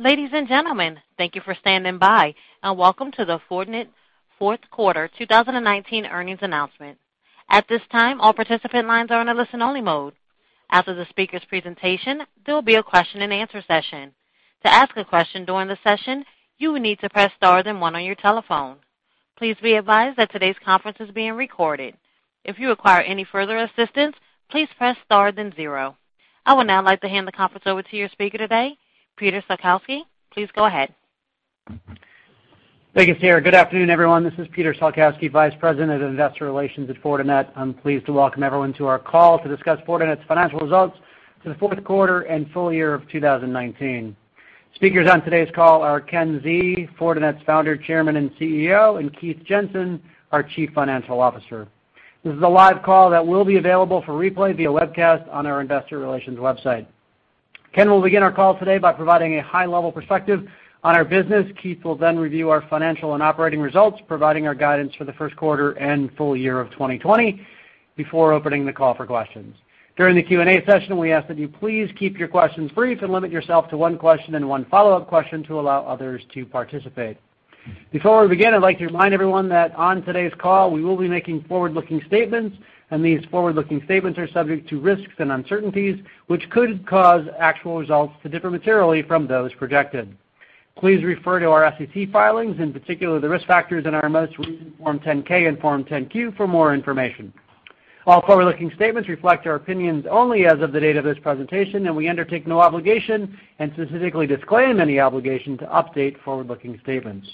Ladies and gentlemen, thank you for standing by, and welcome to the Fortinet fourth quarter 2019 earnings announcement. At this time, all participant lines are in a listen only mode. After the speaker's presentation, there will be a question and answer session. To ask a question during the session, you will need to press star then one on your telephone. Please be advised that today's conference is being recorded. If you require any further assistance, please press star then zero. I would now like to hand the conference over to your speaker today, Peter Salkowski. Please go ahead. Thank you, Sarah. Good afternoon, everyone. This is Peter Salkowski, Vice President of Investor Relations at Fortinet. I'm pleased to welcome everyone to our call to discuss Fortinet's financial results for the fourth quarter and full year of 2019. Speakers on today's call are Ken Xie, Fortinet's founder, chairman, and CEO, and Keith Jensen, our Chief Financial Officer. This is a live call that will be available for replay via webcast on our investor relations website. Ken will begin our call today by providing a high-level perspective on our business. Keith will then review our financial and operating results, providing our guidance for the first quarter and full year of 2020 before opening the call for questions. During the Q&A session, we ask that you please keep your questions brief and limit yourself to one question and one follow-up question to allow others to participate. Before we begin, I'd like to remind everyone that on today's call, we will be making forward-looking statements. These forward-looking statements are subject to risks and uncertainties, which could cause actual results to differ materially from those projected. Please refer to our SEC filings, in particular, the risk factors in our most recent Form 10-K and Form 10-Q for more information. All forward-looking statements reflect our opinions only as of the date of this presentation, and we undertake no obligation and specifically disclaim any obligation to update forward-looking statements.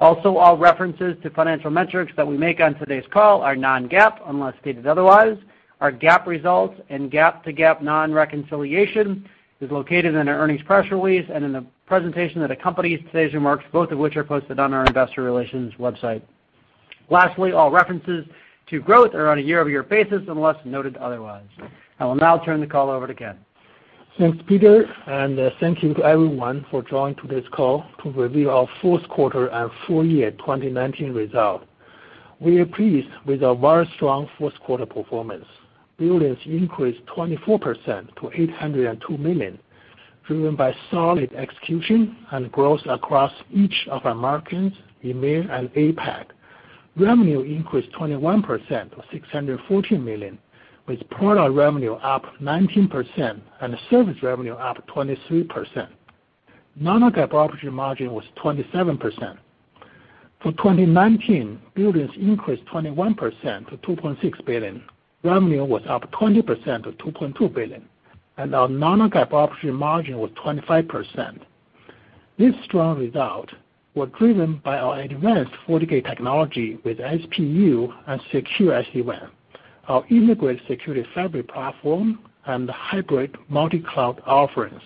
Also, all references to financial metrics that we make on today's call are non-GAAP, unless stated otherwise. Our GAAP results and GAAP to non-GAAP reconciliation is located in our earnings press release and in the presentation that accompanies today's remarks, both of which are posted on our investor relations website. Lastly, all references to growth are on a year-over-year basis, unless noted otherwise. I will now turn the call over to Ken. Thanks, Peter, thank you to everyone for joining today's call to review our fourth quarter and full year 2019 result. We are pleased with our very strong fourth quarter performance. Billings increased 24% to $802 million, driven by solid execution and growth across each of our markets, EMEA and APAC. Revenue increased 21% to $614 million, with product revenue up 19% and service revenue up 23%. Non-GAAP operating margin was 27%. For 2019, billings increased 21% to $2.6 billion. Revenue was up 20% to $2.2 billion, Our non-GAAP operating margin was 25%. These strong results were driven by our advanced FortiGate technology with SPU and secure SD-WAN, our integrated security fabric platform, and hybrid multi-cloud offerings.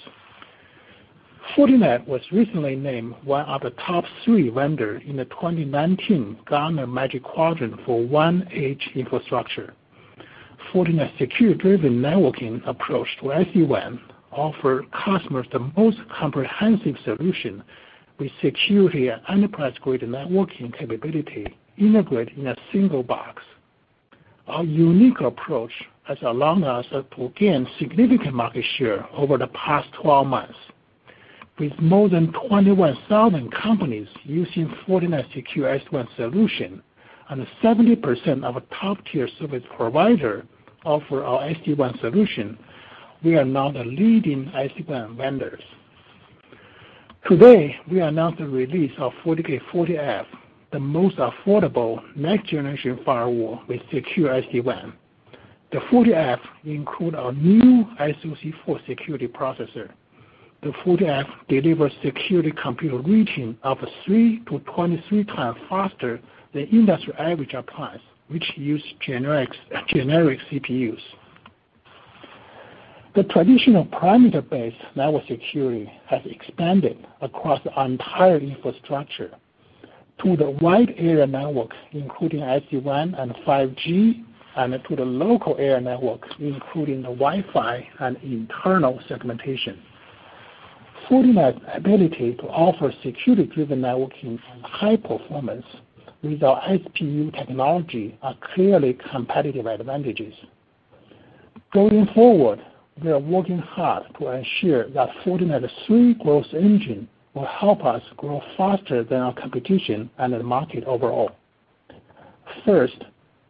Fortinet was recently named one of the top three vendors in the 2019 Gartner Magic Quadrant for WAN Edge Infrastructure. Fortinet's security-driven networking approach to SD-WAN offer customers the most comprehensive solution with security and enterprise-grade networking capability integrated in a single box. Our unique approach has allowed us to gain significant market share over the past 12 months. With more than 21,000 companies using Fortinet Secure SD-WAN solution and 70% of top-tier service providers offer our SD-WAN solution, we are now the leading SD-WAN vendors. Today, we announced the release of FortiGate 40F, the most affordable next-generation firewall with secure SD-WAN. The 40F includes our new SoC4 security processor. The 40F delivers Security Compute Rating up 3 to 23 times faster than industry average appliances, which use generic CPUs. The traditional perimeter-based network security has expanded across the entire infrastructure to the wide area networks, including SD-WAN and 5G, and to the local area networks, including the Wi-Fi and internal segmentation. Fortinet's ability to offer security-driven networking and high performance with our SPU technology are clearly competitive advantages. Going forward, we are working hard to ensure that Fortinet's three growth engine will help us grow faster than our competition and the market overall. First,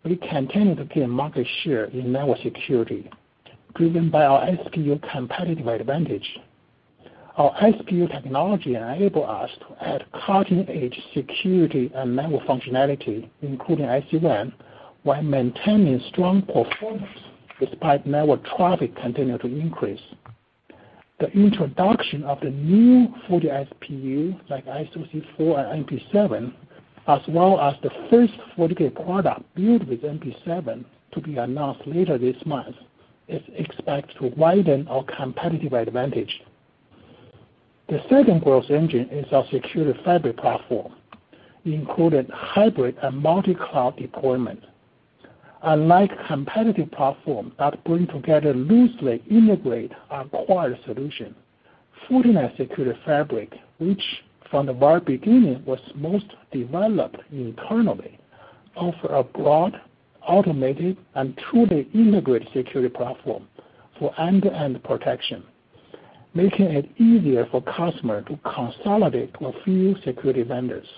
we continue to gain market share in network security, driven by our SPU competitive advantage. Our SPU technology enables us to add cutting-edge security and network functionality, including SD-WAN, while maintaining strong performance despite network traffic continuing to increase. The introduction of the new FortiSPU, like SoC4 and NP7, as well as the first 40K product built with NP7 to be announced later this month, is expected to widen our competitive advantage. The second growth engine is our Security Fabric platform, including hybrid and multi-cloud deployment. Unlike competitive platforms that bring together loosely integrated acquired solutions, Fortinet's Security Fabric, which from the very beginning was most developed internally, offer a broad, automated, and truly integrated security platform for end-to-end protection, making it easier for customers to consolidate to a few security vendors.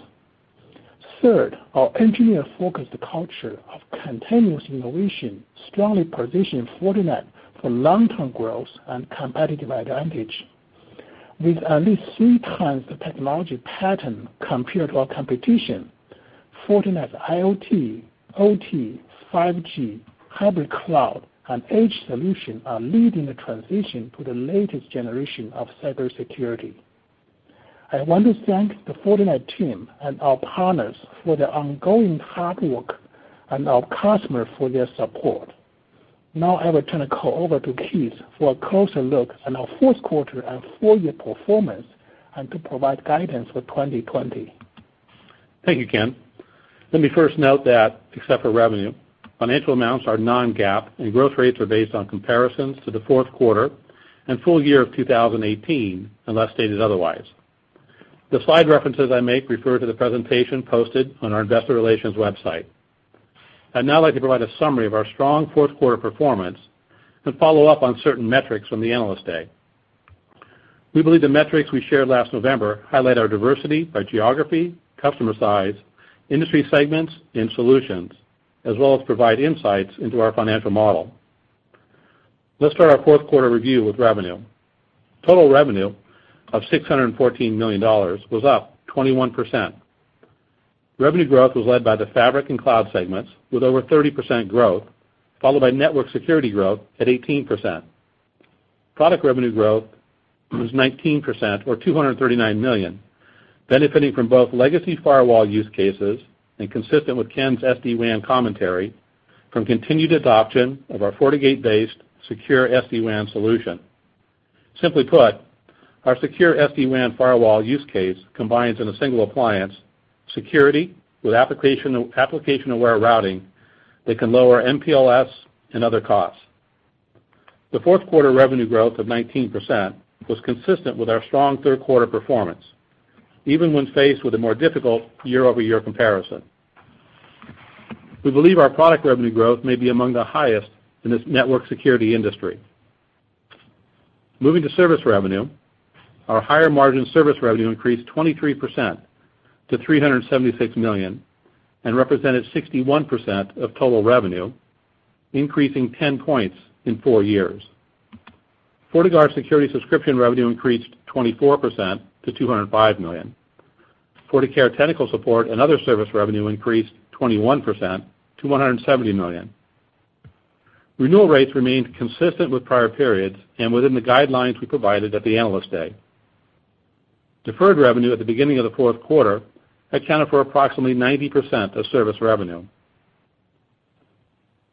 Third, our engineer-focused culture of continuous innovation strongly positions Fortinet for long-term growth and competitive advantage. With at least three times the technology patents compared to our competition, Fortinet's IoT, OT, 5G, hybrid cloud, and edge solutions are leading the transition to the latest generation of cybersecurity. I want to thank the Fortinet team and our partners for their ongoing hard work and our customers for their support. Now I will turn the call over to Keith for a closer look on our fourth quarter and full year performance and to provide guidance for 2020. Thank you, Ken. Let me first note that except for revenue, financial amounts are non-GAAP and growth rates are based on comparisons to the fourth quarter and full year of 2018, unless stated otherwise. The slide references I make refer to the presentation posted on our investor relations website. I'd now like to provide a summary of our strong fourth quarter performance and follow up on certain metrics from the Analyst Day. We believe the metrics we shared last November highlight our diversity by geography, customer size, industry segments, and solutions, as well as provide insights into our financial model. Let's start our fourth quarter review with revenue. Total revenue of $614 million was up 21%. Revenue growth was led by the fabric and cloud segments with over 30% growth, followed by network security growth at 18%. Product revenue growth was 19%, or $239 million, benefiting from both legacy firewall use cases and consistent with Ken's SD-WAN commentary from continued adoption of our FortiGate-based secure SD-WAN solution. Simply put, our secure SD-WAN firewall use case combines in a single appliance, security with application-aware routing that can lower MPLS and other costs. The fourth quarter revenue growth of 19% was consistent with our strong third quarter performance, even when faced with a more difficult year-over-year comparison. We believe our product revenue growth may be among the highest in this network security industry. Moving to service revenue, our higher margin service revenue increased 23% to $376 million and represented 61% of total revenue, increasing 10 points in four years. FortiGuard security subscription revenue increased 24% to $205 million. FortiCare technical support and other service revenue increased 21% to $170 million. Renewal rates remained consistent with prior periods and within the guidelines we provided at the Analyst Day. Deferred revenue at the beginning of the fourth quarter accounted for approximately 90% of service revenue.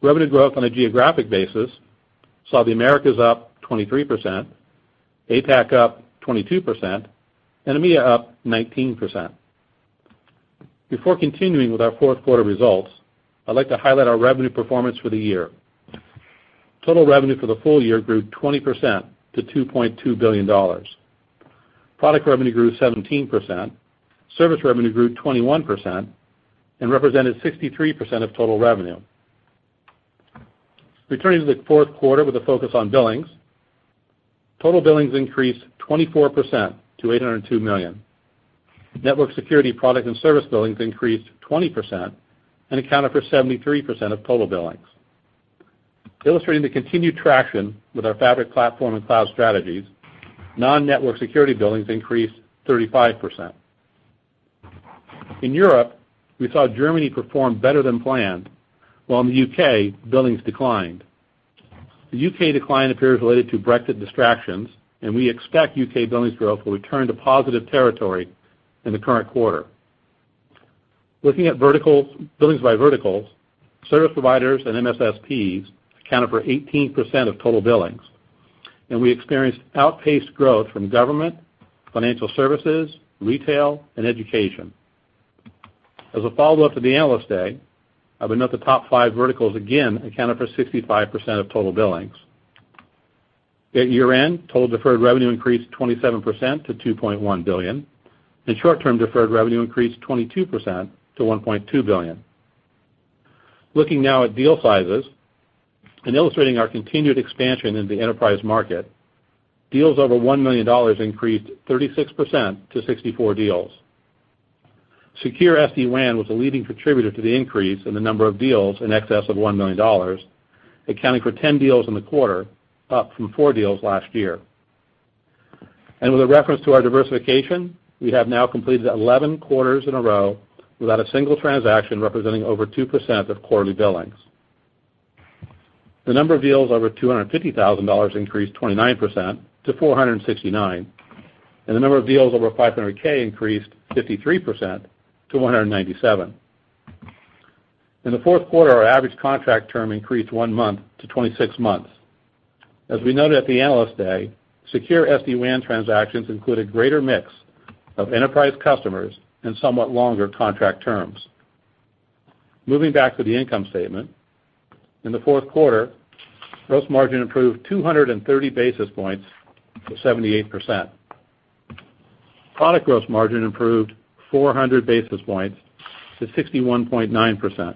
Revenue growth on a geographic basis saw the Americas up 23%, APAC up 22%, and EMEA up 19%. Before continuing with our fourth quarter results, I'd like to highlight our revenue performance for the year. Total revenue for the full year grew 20% to $2.2 billion. Product revenue grew 17%, service revenue grew 21% and represented 63% of total revenue. Returning to the fourth quarter with a focus on billings. Total billings increased 24% to $802 million. Network security product and service billings increased 20% and accounted for 73% of total billings. Illustrating the continued traction with our fabric platform and cloud strategies, non-network security billings increased 35%. In Europe, we saw Germany perform better than planned, while in the U.K., billings declined. The U.K. decline appears related to Brexit distractions. We expect U.K. billings growth will return to positive territory in the current quarter. Looking at billings by verticals, service providers and MSSPs accounted for 18% of total billings. We experienced outpaced growth from government, financial services, retail, and education. As a follow-up to the Analyst Day, I would note the top 5 verticals again accounted for 65% of total billings. At year-end, total deferred revenue increased 27% to $2.1 billion. Short-term deferred revenue increased 22% to $1.2 billion. Looking now at deal sizes and illustrating our continued expansion in the enterprise market, deals over $1 million increased 36% to 64 deals. Secure SD-WAN was a leading contributor to the increase in the number of deals in excess of $1 million, accounting for 10 deals in the quarter, up from four deals last year. With a reference to our diversification, we have now completed 11 quarters in a row without a single transaction representing over 2% of quarterly billings. The number of deals over $250,000 increased 29% to 469, and the number of deals over $500,000 increased 53% to 197. In the fourth quarter, our average contract term increased one month to 26 months. As we noted at the Analyst Day, Secure SD-WAN transactions include a greater mix of enterprise customers and somewhat longer contract terms. Moving back to the income statement. In the fourth quarter, gross margin improved 230 basis points to 78%. Product gross margin improved 400 basis points to 61.9%.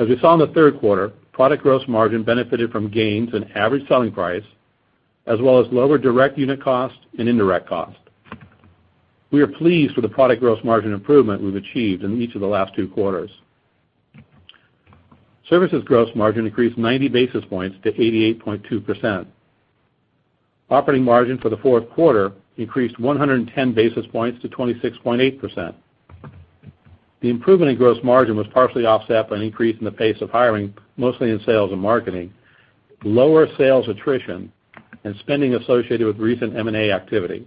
As you saw in the third quarter, product gross margin benefited from gains in average selling price, as well as lower direct unit cost and indirect cost. We are pleased with the product gross margin improvement we've achieved in each of the last two quarters. Services gross margin increased 90 basis points to 88.2%. Operating margin for the fourth quarter increased 110 basis points to 26.8%. The improvement in gross margin was partially offset by an increase in the pace of hiring, mostly in sales and marketing, lower sales attrition, and spending associated with recent M&A activity.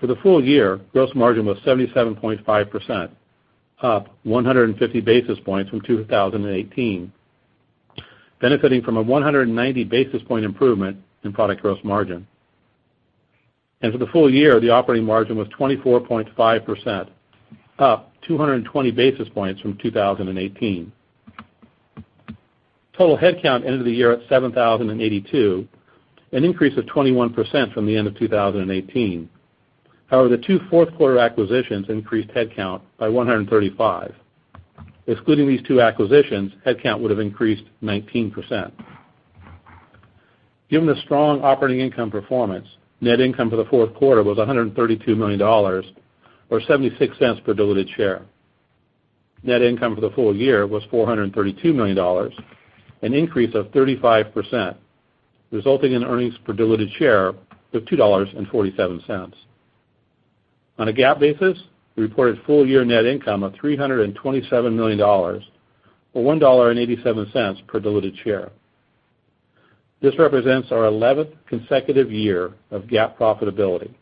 For the full year, gross margin was 77.5%, up 150 basis points from 2018, benefiting from a 190 basis point improvement in product gross margin. For the full year, the operating margin was 24.5%, up 220 basis points from 2018. Total headcount ended the year at 7,082, an increase of 21% from the end of 2018. The two fourth-quarter acquisitions increased headcount by 135. Excluding these two acquisitions, headcount would have increased 19%. Given the strong operating income performance, net income for the fourth quarter was $132 million, or $0.76 per diluted share. Net income for the full year was $432 million, an increase of 35%, resulting in earnings per diluted share of $2.47. On a GAAP basis, we reported full-year net income of $327 million, or $1.87 per diluted share. This represents our 11th consecutive year of GAAP profitability,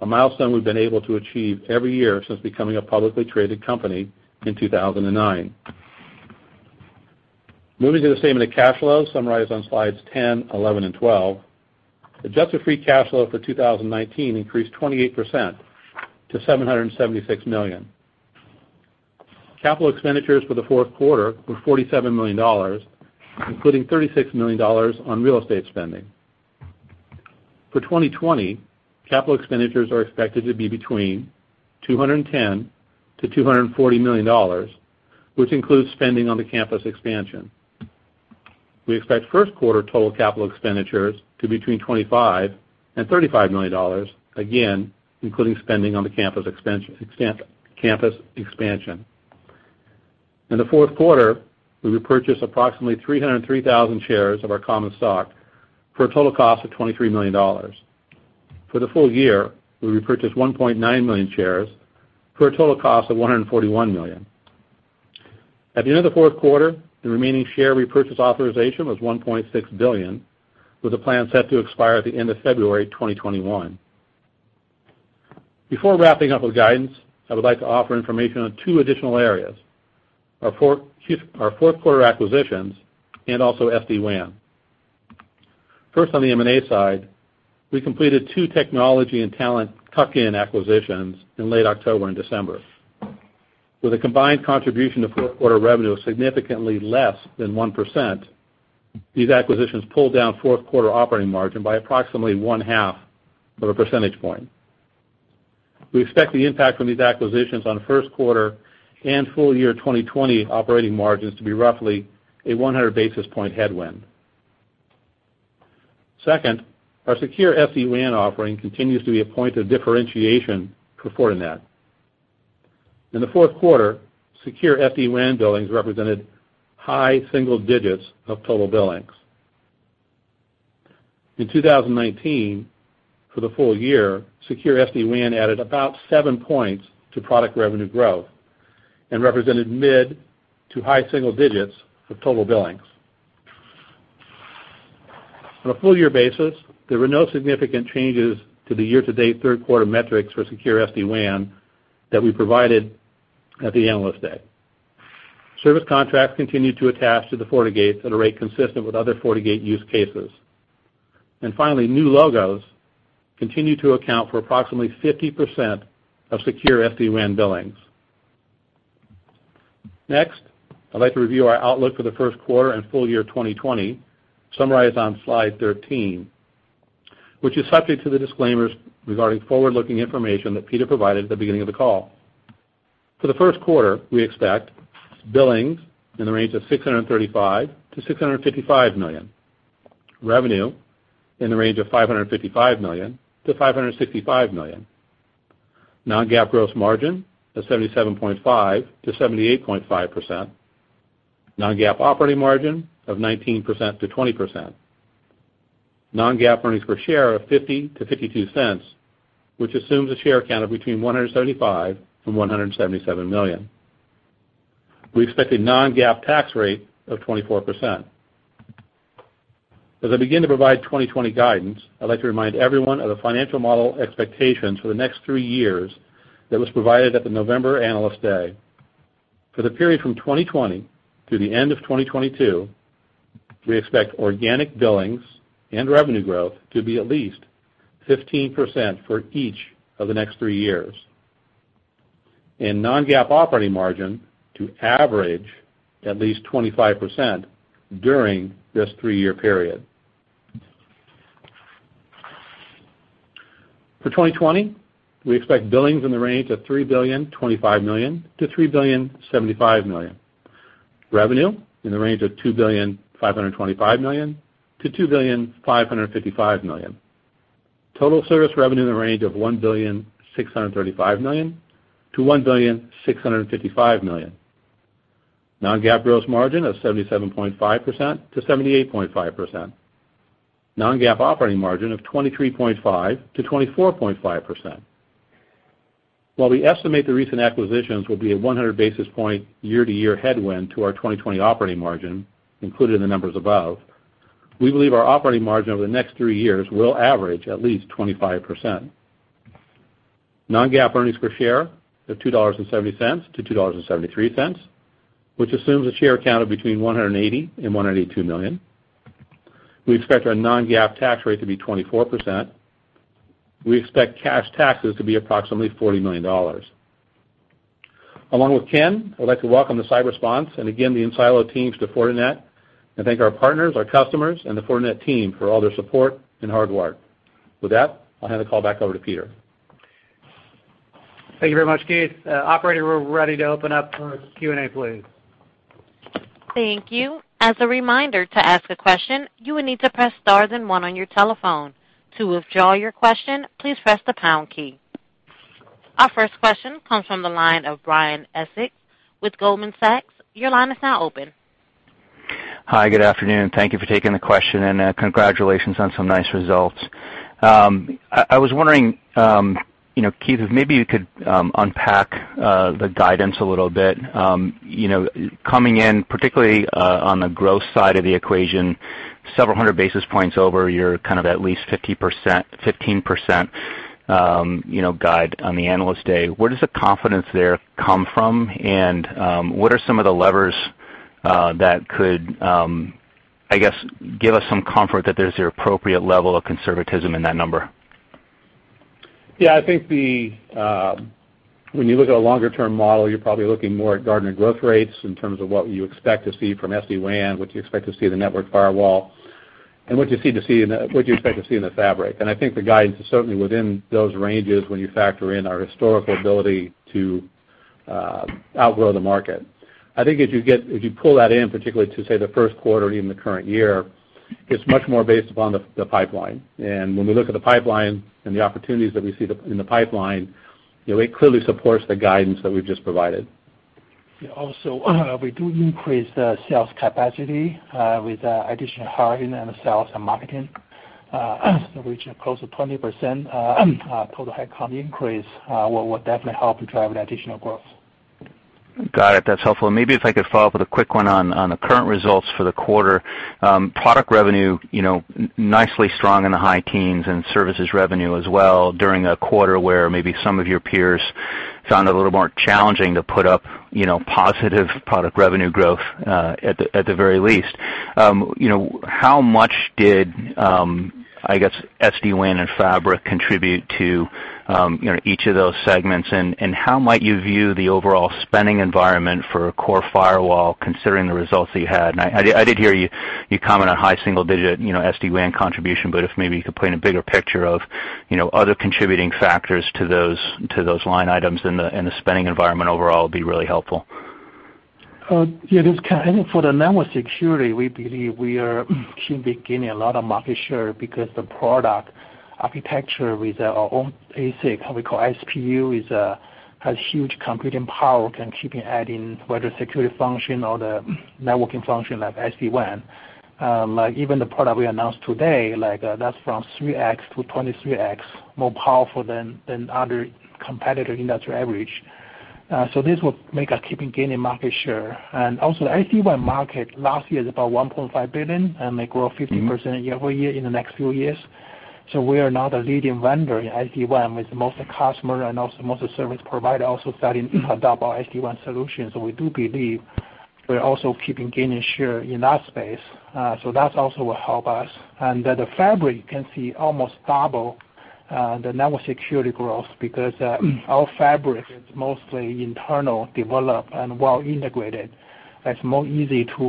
a milestone we've been able to achieve every year since becoming a publicly traded company in 2009. Moving to the statement of cash flow summarized on slides 10, 11, and 12. Adjusted free cash flow for 2019 increased 28% to $776 million. CapEx for the fourth quarter were $47 million, including $36 million on real estate spending. For 2020, CapEx are expected to be between $210 million-$240 million, which includes spending on the campus expansion. We expect first quarter total CapEx to be between $25 million and $35 million, again, including spending on the campus expansion. In the fourth quarter, we repurchased approximately 303,000 shares of our common stock for a total cost of $23 million. For the full year, we repurchased 1.9 million shares for a total cost of $141 million. At the end of the fourth quarter, the remaining share repurchase authorization was $1.6 billion, with a plan set to expire at the end of February 2021. Before wrapping up with guidance, I would like to offer information on two additional areas, our fourth quarter acquisitions, and also SD-WAN. First, on the M&A side, we completed two technology and talent tuck-in acquisitions in late October and December. With a combined contribution to fourth quarter revenue of significantly less than 1%, these acquisitions pulled down fourth quarter operating margin by approximately one-half of a percentage point. We expect the impact from these acquisitions on first quarter and full year 2020 operating margins to be roughly a 100 basis point headwind. Second, our secure SD-WAN offering continues to be a point of differentiation for Fortinet. In the fourth quarter, secure SD-WAN billings represented high single digits of total billings. In 2019, for the full year, secure SD-WAN added about seven points to product revenue growth and represented mid to high single digits of total billings. On a full year basis, there were no significant changes to the year-to-date third quarter metrics for secure SD-WAN that we provided at the Analyst Day. Service contracts continued to attach to the FortiGate at a rate consistent with other FortiGate use cases. Finally, new logos continue to account for approximately 50% of secure SD-WAN billings. Next, I'd like to review our outlook for the first quarter and full year 2020, summarized on slide 13, which is subject to the disclaimers regarding forward-looking information that Peter provided at the beginning of the call. For the first quarter, we expect billings in the range of $635 million-$655 million. Revenue in the range of $555 million-$565 million. Non-GAAP gross margin of 77.5%-78.5%. Non-GAAP operating margin of 19%-20%. Non-GAAP earnings per share of $0.50-$0.52, which assumes a share count of between 175 million and 177 million. We expect a non-GAAP tax rate of 24%. As I begin to provide 2020 guidance, I'd like to remind everyone of the financial model expectations for the next three years that was provided at the November Analyst Day. For the period from 2020 through the end of 2022, we expect organic billings and revenue growth to be at least 15% for each of the next three years. In non-GAAP operating margin to average at least 25% during this three-year period. For 2020, we expect billings in the range of $3 billion-$3.075 billion. Revenue in the range of $2.525 billion-$2.555 billion. Total service revenue in the range of $1.635 billion-$1.655 billion. Non-GAAP gross margin of 77.5%-78.5%. Non-GAAP operating margin of 23.5%-24.5%. While we estimate the recent acquisitions will be a 100 basis points year-to-year headwind to our 2020 operating margin included in the numbers above, we believe our operating margin over the next three years will average at least 25%. Non-GAAP earnings per share of $2.70-$2.73, which assumes a share count of between 180 million and 182 million. We expect our non-GAAP tax rate to be 24%. We expect cash taxes to be approximately $40 million. Along with Ken, I'd like to welcome the CyberSponse and again, the enSilo teams to Fortinet and thank our partners, our customers, and the Fortinet team for all their support and hard work. With that, I'll hand the call back over to Peter. Thank you very much, Keith. Operator, we're ready to open up for Q&A, please. Thank you. As a reminder, to ask a question, you will need to press star then one on your telephone. To withdraw your question, please press the pound key. Our first question comes from the line of Brian Essex with Goldman Sachs. Your line is now open. Hi, good afternoon. Thank you for taking the question, and congratulations on some nice results. I was wondering, Keith, if maybe you could unpack the guidance a little bit. Coming in, particularly on the growth side of the equation, several hundred basis points over your at least 15% guide on the Analyst Day. Where does the confidence there come from, and what are some of the levers that could give us some comfort that there's the appropriate level of conservatism in that number? Yeah, I think when you look at a longer-term model, you're probably looking more at Gartner growth rates in terms of what you expect to see from SD-WAN, what you expect to see in the network firewall, and what you expect to see in the fabric. I think the guidance is certainly within those ranges when you factor in our historical ability to outgrow the market. I think if you pull that in, particularly to, say, the first quarter or even the current year, it's much more based upon the pipeline. When we look at the pipeline and the opportunities that we see in the pipeline, it clearly supports the guidance that we've just provided. Yeah. Also, we do increase the sales capacity with additional hiring in sales and marketing, which are close to 20% total headcount increase, will definitely help drive additional growth. Got it. That's helpful. Maybe if I could follow up with a quick one on the current results for the quarter. Product revenue nicely strong in the high teens and services revenue as well during a quarter where maybe some of your peers found it a little more challenging to put up positive product revenue growth at the very least. How much did SD-WAN and Fabric contribute to each of those segments, and how might you view the overall spending environment for core firewall considering the results that you had? I did hear you comment on high single-digit SD-WAN contribution, if maybe you could paint a bigger picture of other contributing factors to those line items and the spending environment overall would be really helpful. Yeah. I think for the network security, we believe we are gaining a lot of market share because the product architecture with our own ASIC, what we call SPU, has huge computing power, can keep adding whether security function or the networking function like SD-WAN. Even the product we announced today, that's from 3x to 23x more powerful than other competitor industry average. This will make us gaining market share. Also the SD-WAN market last year is about $1.5 billion and may grow 50% year-over-year in the next few years. We are now the leading vendor in SD-WAN with most of the customer and also most of the service provider also starting to adopt our SD-WAN solution. We do believe we're also gaining share in that space. That also will help us. The Fabric, you can see almost double the network security growth because our Fabric is mostly internal developed and well integrated. It's more easy to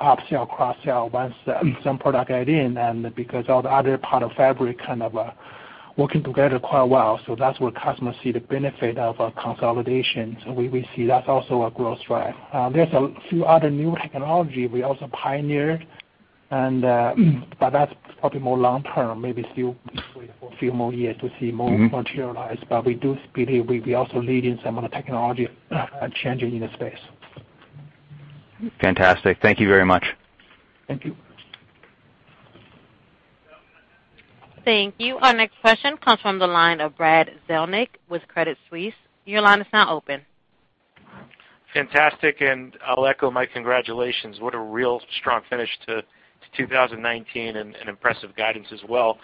up-sell, cross-sell once some product add in and because all the other part of Fabric working together quite well. That's where customers see the benefit of our consolidation. We see that's also a growth driver. There's a few other new technology we also pioneered, but that's probably more long-term, maybe still wait for a few more years to see more materialize. We do believe we'll be also leading some of the technology changing in the space. Fantastic. Thank you very much. Thank you. Thank you. Our next question comes from the line of Brad Zelnick with Credit Suisse. Your line is now open. Fantastic. I'll echo my congratulations. What a real strong finish to 2019 and impressive guidance as well.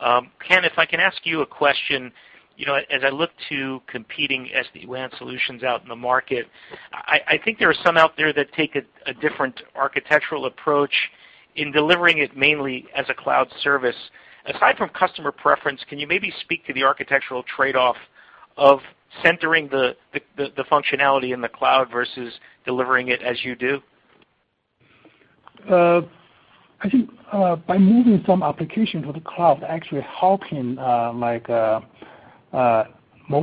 Ken, if I can ask you a question. As I look to competing SD-WAN solutions out in the market, I think there are some out there that take a different architectural approach in delivering it mainly as a cloud service. Aside from customer preference, can you maybe speak to the architectural trade-off of centering the functionality in the cloud versus delivering it as you do? I think by moving some applications to the cloud, actually helping more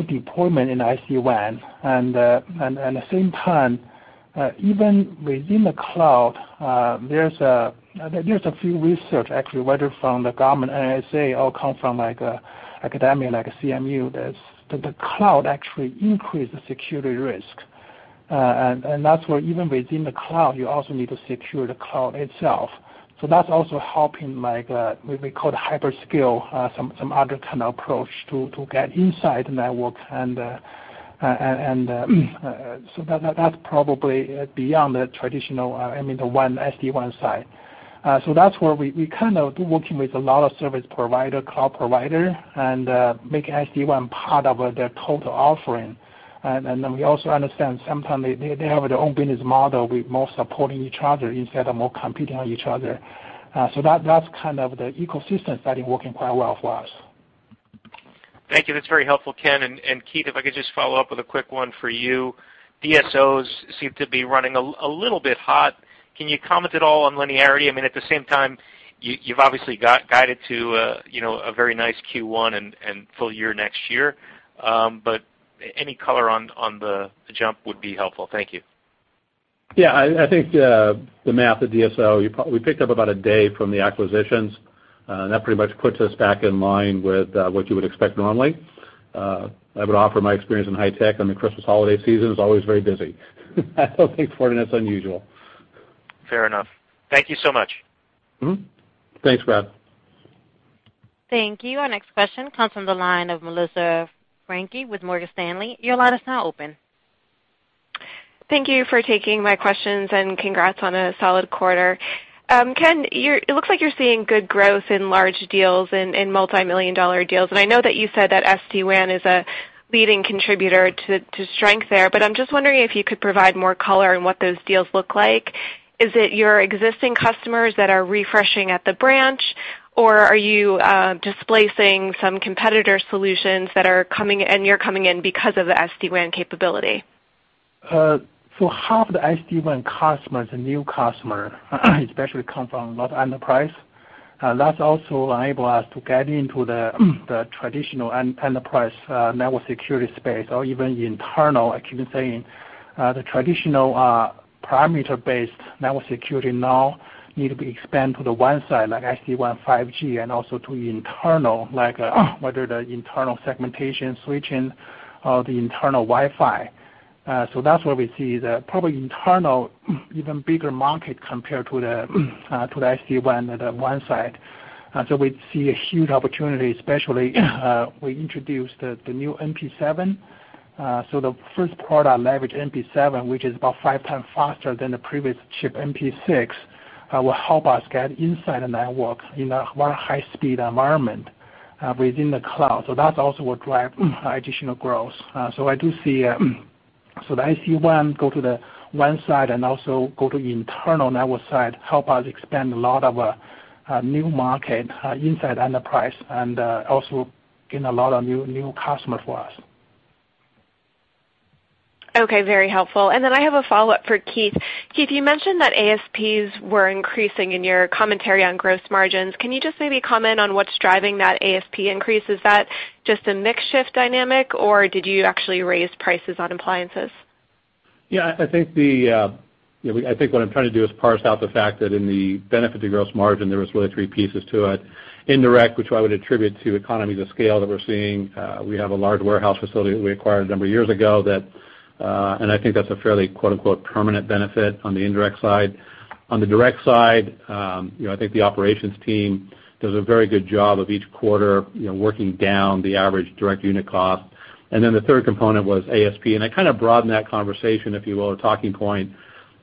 deployment in SD-WAN, at the same time, even within the cloud, there's a few research actually, whether from the government, NSA, or come from academic, like CMU, that the cloud actually increase the security risk. That's where even within the cloud, you also need to secure the cloud itself. That's also helping what we call hyperscale, some other kind of approach to get inside networks, that's probably beyond the traditional SD-WAN side. That's where we do working with a lot of service provider, cloud provider, and make SD-WAN part of their total offering. We also understand sometimes they have their own business model with more supporting each other instead of more competing on each other. That's the ecosystem side working quite well for us. Thank you. That's very helpful, Ken. Keith, if I could just follow up with a quick one for you. DSOs seem to be running a little bit hot. Can you comment at all on linearity? I mean, at the same time, you've obviously guided to a very nice Q1 and full year next year. Any color on the jump would be helpful. Thank you. Yeah. I think the math at DSO, we picked up about a day from the acquisitions, and that pretty much puts us back in line with what you would expect normally. I would offer my experience in high tech on the Christmas holiday season is always very busy. I don't think Fortinet's unusual. Fair enough. Thank you so much. Thanks, Brad. Thank you. Our next question comes from the line of Melissa Franchi with Morgan Stanley. Your line is now open. Thank you for taking my questions, and congrats on a solid quarter. Ken, it looks like you're seeing good growth in large deals and in multimillion-dollar deals, and I know that you said that SD-WAN is a leading contributor to strength there, but I'm just wondering if you could provide more color on what those deals look like. Is it your existing customers that are refreshing at the branch, or are you displacing some competitor solutions and you're coming in because of the SD-WAN capability? Half the SD-WAN customers are new customer, especially come from a lot of enterprise. That also enable us to get into the traditional enterprise network security space or even internal. I keep saying the traditional perimeter-based network security now need to be expanded to the WAN side, like SD-WAN 5G and also to internal, like whether the internal segmentation switching or the internal Wi-Fi. That's where we see the probably internal, even bigger market compared to the SD-WAN at the WAN side. We see a huge opportunity, especially we introduced the new NP7. The first product leverage NP7, which is about five times faster than the previous chip, NP6, will help us get inside a network in a more high-speed environment within the cloud. That's also what drive additional growth. The SD-WAN go to the WAN side and also go to internal network side, help us expand a lot of new market inside enterprise and also gain a lot of new customer for us. Okay. Very helpful. I have a follow-up for Keith. Keith, you mentioned that ASPs were increasing in your commentary on gross margins. Can you just maybe comment on what's driving that ASP increase? Is that just a mix shift dynamic, or did you actually raise prices on appliances? Yeah, I think what I'm trying to do is parse out the fact that in the benefit to gross margin, there was really three pieces to it. Indirect, which I would attribute to economies of scale that we're seeing. We have a large warehouse facility that we acquired a number of years ago, I think that's a fairly "permanent benefit" on the indirect side. On the direct side, I think the operations team does a very good job of each quarter working down the average direct unit cost. The third component was ASP. I kind of broaden that conversation, if you will, or talking point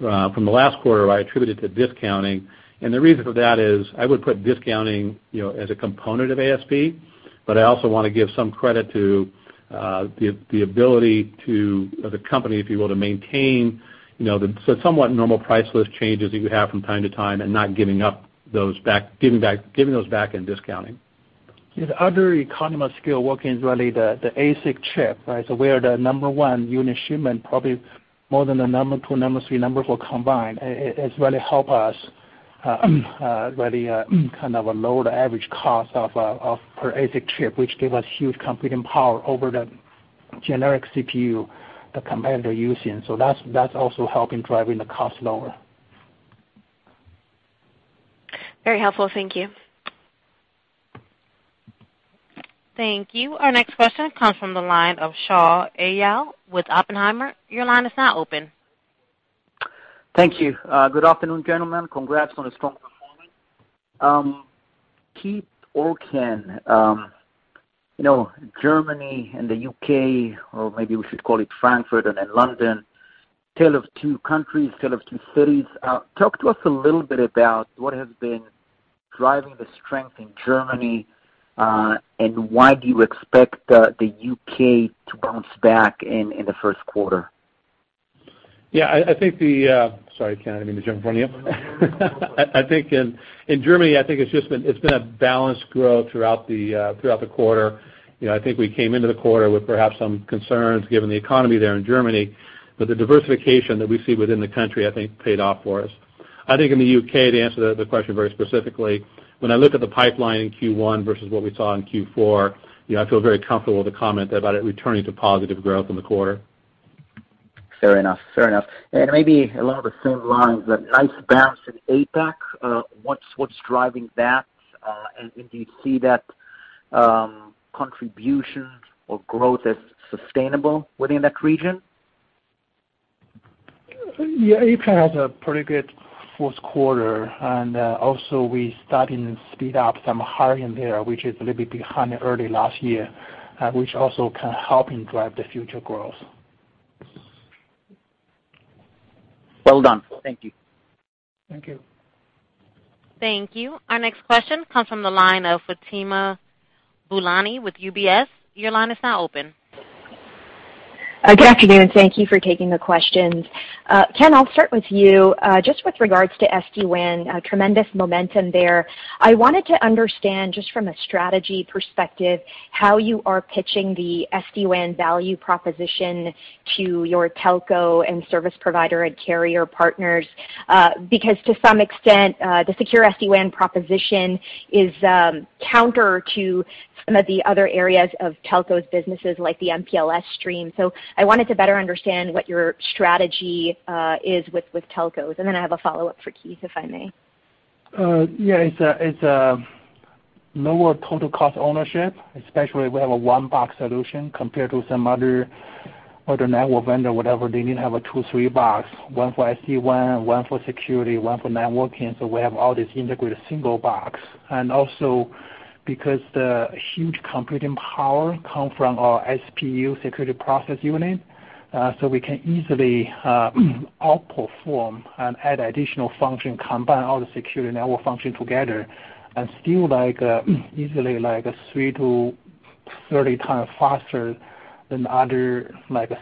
from the last quarter where I attributed to discounting. The reason for that is I would put discounting as a component of ASP, but I also want to give some credit to the ability to the company, if you will, to maintain the somewhat normal price list changes that you have from time to time and not giving those back and discounting. The other economy of scale working is really the ASIC, right? We are the number 1 unit shipment, probably more than the number 2, number 3, numbers all combined. It really help us really kind of lower the average cost of per ASIC, which give us huge computing power over the generic CPU the competitor using. That's also helping driving the cost lower. Very helpful. Thank you. Thank you. Our next question comes from the line of Shaul Eyal with Oppenheimer. Your line is now open. Thank you. Good afternoon, gentlemen. Congrats on a strong performance. Keith or Ken, Germany and the U.K., or maybe we should call it Frankfurt and then London, tale of two countries, tale of two cities. Talk to us a little bit about what has been driving the strength in Germany, and why do you expect the U.K. to bounce back in the first quarter? Yeah. Sorry, Ken. I didn't mean to jump on you. In Germany, I think it's just been a balanced growth throughout the quarter. I think we came into the quarter with perhaps some concerns given the economy there in Germany. The diversification that we see within the country, I think paid off for us. I think in the U.K., to answer the question very specifically, when I look at the pipeline in Q1 versus what we saw in Q4, I feel very comfortable with the comment about it returning to positive growth in the quarter. Fair enough. Maybe along the same lines, that nice bounce in APAC, what's driving that? Do you see that contribution or growth as sustainable within that region? Yeah, APAC has a pretty good fourth quarter, and also we starting to speed up some hiring there, which is a little bit behind early last year, which also can help drive the future growth. Well done. Thank you. Thank you. Thank you. Our next question comes from the line of Fatima Boolani with UBS. Your line is now open. Good afternoon. Thank you for taking the questions. Ken, I'll start with you. With regards to SD-WAN, tremendous momentum there. I wanted to understand, from a strategy perspective, how you are pitching the SD-WAN value proposition to your telco and service provider and carrier partners. To some extent, the secure SD-WAN proposition is counter to some of the other areas of telcos businesses like the MPLS stream. I wanted to better understand what your strategy is with telcos. I have a follow-up for Keith, if I may. Yeah, it's a lower total cost ownership, especially we have a one-box solution compared to some other network vendor, whatever, they need to have a 2, 3 box, one for SD-WAN, one for security, one for networking. We have all this integrated single box. Also because the huge computing power come from our SPU, security process unit, so we can easily outperform and add additional function, combine all the security network function together and still easily 3-30 times faster than other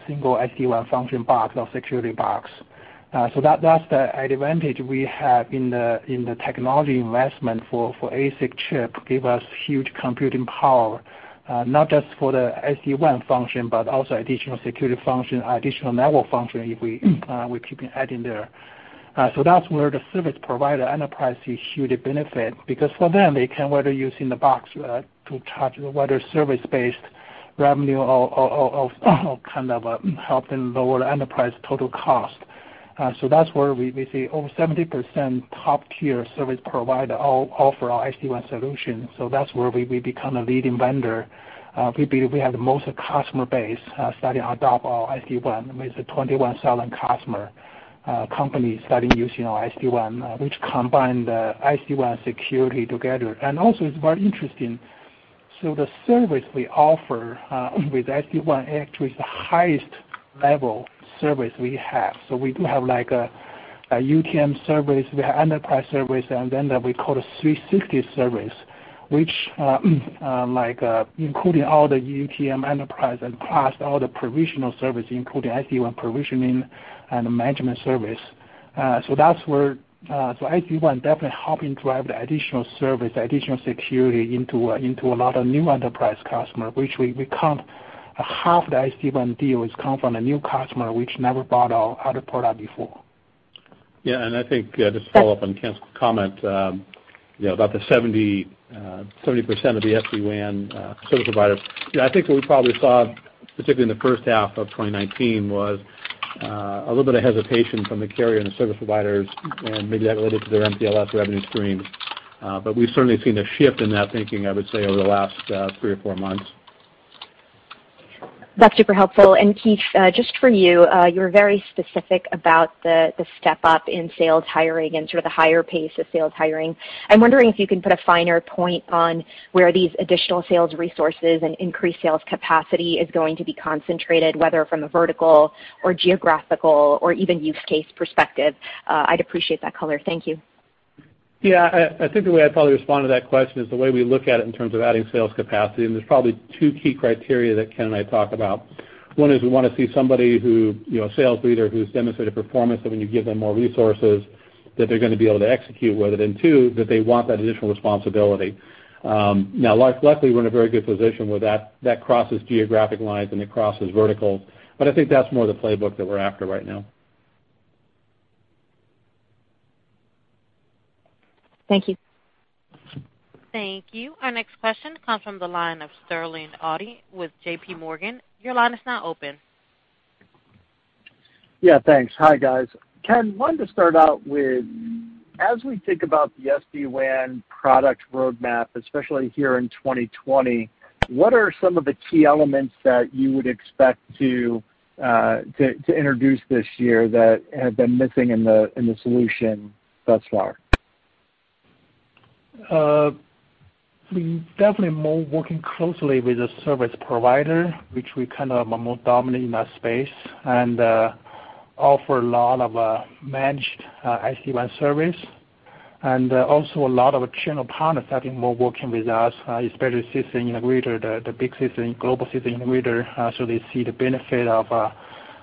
single SD-WAN function box or security box. That's the advantage we have in the technology investment for ASIC chip give us huge computing power, not just for the SD-WAN function, but also additional security function, additional network function if we keeping adding there. That's where the service provider enterprise see huge benefit, because for them, they can whether use in the box to charge whether service-based revenue or kind of help them lower the enterprise total cost. That's where we see over 70% top-tier service provider opt for our SD-WAN solution. That's where we become a leading vendor. We have the most customer base starting adopt our SD-WAN with 21,000 customer companies starting using our SD-WAN, which combine the SD-WAN security together. Also, it's very interesting. The service we offer with SD-WAN actually is the highest level service we have. We do have a UTM service, we have enterprise service, and then we call a 360 Protection, which including all the UTM enterprise and plus all the provisional service, including SD-WAN provisioning and management service. SD-WAN definitely helping drive the additional service, additional security into a lot of new enterprise customer, which we count half the SD-WAN deals come from a new customer which never bought our other product before. Yeah. I think just to follow up on Ken's comment, about the 70% of the SD-WAN service providers. I think what we probably saw, particularly in the first half of 2019, was a little bit of hesitation from the carrier and the service providers and maybe that related to their MPLS revenue stream. We've certainly seen a shift in that thinking, I would say, over the last three or four months. That's super helpful. Keith, just for you were very specific about the step-up in sales hiring and sort of the higher pace of sales hiring. I'm wondering if you can put a finer point on where these additional sales resources and increased sales capacity is going to be concentrated, whether from a vertical or geographical or even use case perspective. I'd appreciate that color. Thank you. Yeah. I think the way I'd probably respond to that question is the way we look at it in terms of adding sales capacity, and there's probably two key criteria that Ken and I talk about. One is we want to see somebody who, a sales leader who's demonstrated performance, that when you give them more resources, that they're going to be able to execute with it, and two, that they want that additional responsibility. Luckily, we're in a very good position where that crosses geographic lines, and it crosses verticals. I think that's more the playbook that we're after right now. Thank you. Thank you. Our next question comes from the line of Sterling Auty with JPMorgan. Your line is now open. Yeah, thanks. Hi, guys. Ken, wanted to start out with, as we think about the SD-WAN product roadmap, especially here in 2020, what are some of the key elements that you would expect to introduce this year that have been missing in the solution thus far? We definitely more working closely with the service provider, which we kind of are more dominant in that space, and offer a lot of managed SD-WAN service. Also a lot of our channel partners have been more working with us, especially system integrator, the big global system integrator. They see the benefit of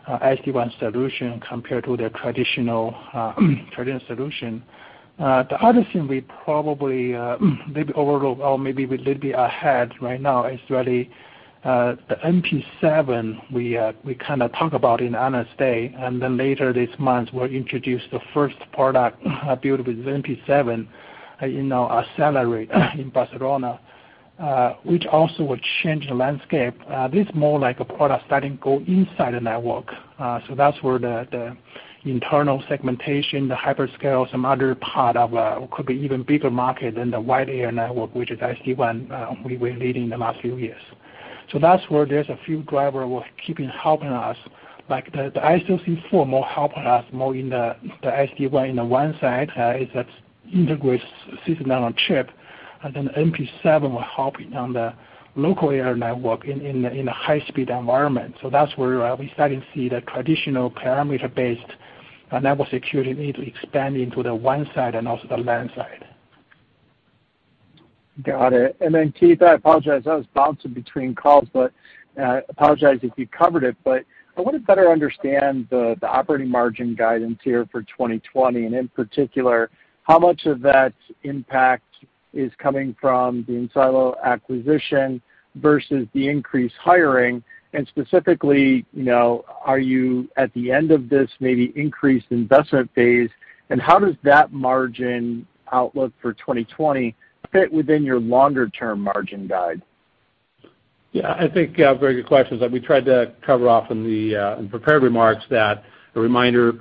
SD-WAN solution compared to their traditional solution. The other thing we probably maybe overlook or maybe we're a little bit ahead right now is really the NP7 we talked about in Analyst Day, and then later this month, we'll introduce the first product built with NP7 in our Accelerate in Barcelona, which also will change the landscape. This is more like a product that can go inside the network. That's where the internal segmentation, the hyperscale, some other part of could be even bigger market than the wide area network, which is SD-WAN we were leading the last few years. That's where there's a few driver will keep helping us. Like the SoC4 more helping us more in the SD-WAN in the WAN side, is that integrates system on a chip, and then NP7 will help on the local area network in a high-speed environment. That's where we're starting to see the traditional perimeter-based network security need to expand into the WAN side and also the LAN side. Got it. Keith, I apologize. I was bouncing between calls, I apologize if you covered it, I want to better understand the operating margin guidance here for 2020, in particular, how much of that impact is coming from the enSilo acquisition versus the increased hiring, specifically, are you at the end of this maybe increased investment phase, how does that margin outlook for 2020 fit within your longer-term margin guide? Yeah, I think, very good questions that we tried to cover off in the prepared remarks that a reminder,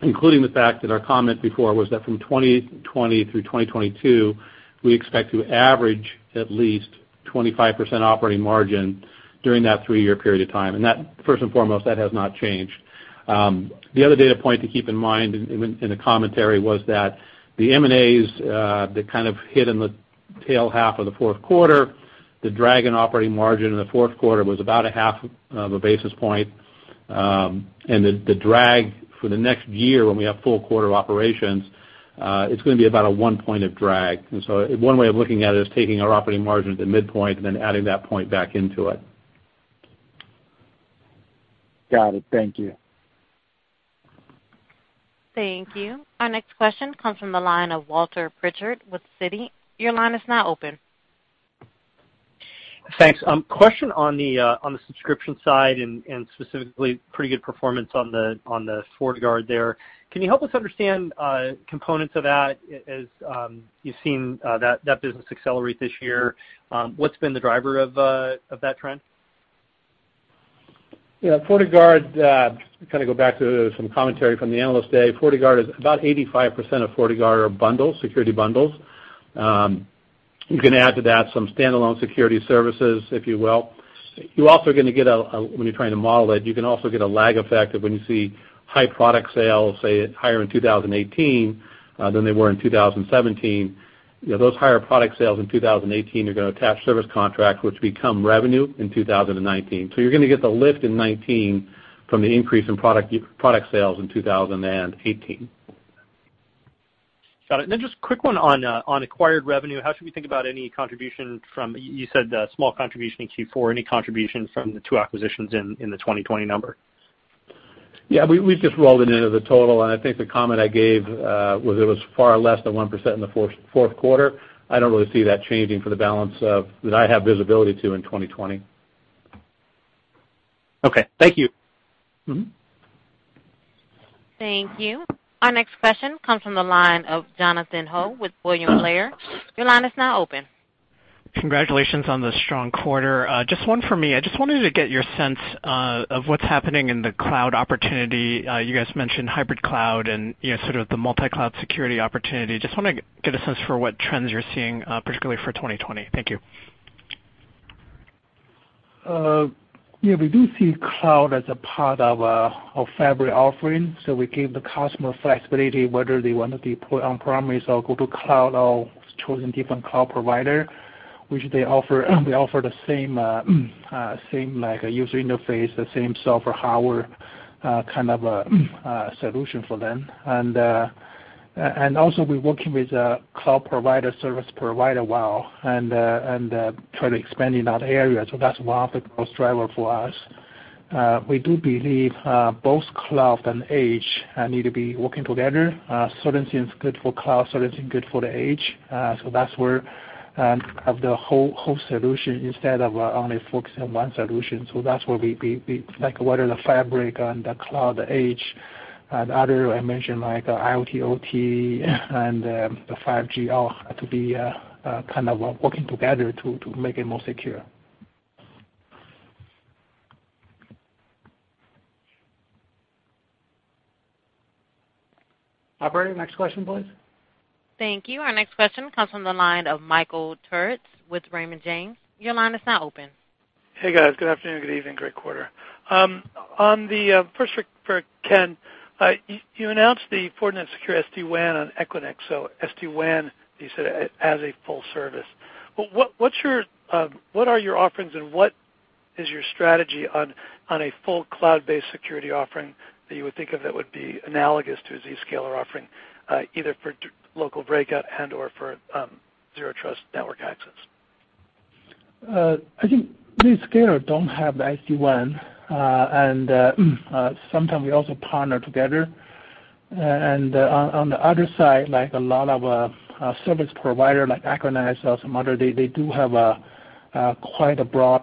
including the fact that our comment before was that from 2020 through 2022, we expect to average at least 25% operating margin during that three-year period of time. That, first and foremost, that has not changed. The other data point to keep in mind in the commentary was that the M&As, that kind of hit in the tail half of the fourth quarter, the drag in operating margin in the fourth quarter was about a half of a basis point. The drag for the next year, when we have full quarter operations, it's going to be about a one point of drag. One way of looking at it is taking our operating margin at the midpoint and then adding that point back into it. Got it. Thank you. Thank you. Our next question comes from the line of Walter Pritchard with Citi. Your line is now open. Thanks. Question on the subscription side and specifically pretty good performance on the FortiGuard there. Can you help us understand components of that as you've seen that business accelerate this year? What's been the driver of that trend? Yeah, FortiGuard, go back to some commentary from the Analyst Day. About 85% of FortiGuard are bundles, security bundles. You can add to that some standalone security services, if you will. When you're trying to model it, you can also get a lag effect of when you see high product sales, say higher in 2018, than they were in 2017. Those higher product sales in 2018 are going to attach service contracts, which become revenue in 2019. You're going to get the lift in 2019 from the increase in product sales in 2018. Got it. Just quick one on acquired revenue. You said a small contribution in Q4. Any contribution from the two acquisitions in the 2020 number? Yeah, we just rolled it into the total, and I think the comment I gave, was it was far less than 1% in the fourth quarter. I don't really see that changing for the balance of that I have visibility to in 2020. Okay. Thank you. Thank you. Our next question comes from the line of Jonathan Ho with William Blair. Your line is now open. Congratulations on the strong quarter. Just one for me. I just wanted to get your sense of what's happening in the cloud opportunity. You guys mentioned hybrid cloud and sort of the multi-cloud security opportunity. Just want to get a sense for what trends you're seeing, particularly for 2020. Thank you. Yeah, we do see cloud as a part of our fabric offering. We give the customer flexibility whether they want to deploy on-premise or go to cloud or choosing different cloud provider. We offer the same user interface, the same software, hardware solution for them. We're working with cloud provider, service provider well, and try to expand in that area. That's one of the growth driver for us. We do believe both cloud and edge need to be working together. Certain things good for cloud, certain things good for the edge. That's where of the whole solution instead of only focusing on one solution. That's where Like whether the fabric and the cloud, the edge, and other I mentioned like IoT, OT, and the 5G all have to be working together to make it more secure. Operator, next question, please. Thank you. Our next question comes from the line of Michael Turits with Raymond James. Your line is now open. Hey, guys. Good afternoon, good evening. Great quarter. First for Ken. You announced the Fortinet Secure SD-WAN on Equinix, so SD-WAN, you said as a full service. What are your offerings and what is your strategy on a full cloud-based security offering that you would think of that would be analogous to a Zscaler offering, either for local breakout and/or for zero trust network access? I think Zscaler don't have SD-WAN, and sometimes we also partner together. On the other side, like a lot of service provider, like Akamai or some other, they do have a quite a broad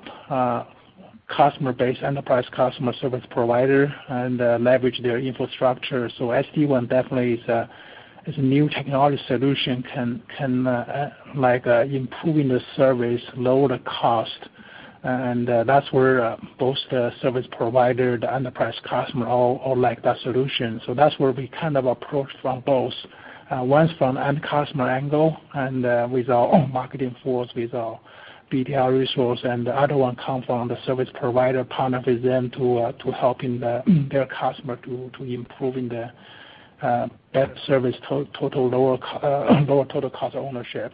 customer base, enterprise customer, service provider, and leverage their infrastructure. SD-WAN definitely is a new technology solution, can improving the service, lower the cost, and that's where both the service provider, the enterprise customer, all like that solution. That's where we approach from both. One is from end customer angle and with our own marketing force, with our BDR resource, and the other one comes from the service provider partner with them to helping their customer to improving their better service, lower total cost of ownership.